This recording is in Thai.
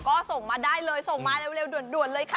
ก็ส่งมาได้เลยส่งมาเร็วด่วนเลยค่ะ